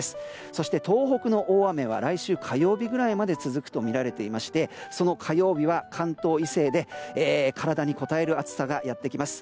そして東北の大雨は来週火曜日ぐらいまでは続くとみられていましてその火曜日は関東以西で体にこたえる暑さがやってきます。